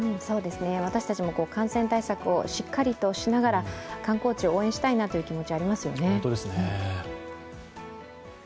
私たちも感染対策をしっかりとしながら観光地を応援したいなという気持ち、ありますよね。